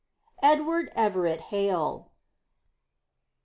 EDWARD EVERETT HALE.